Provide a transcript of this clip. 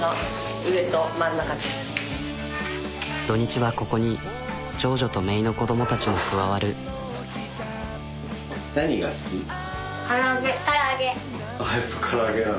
土日はここに長女とめいの子どもたちも加わる。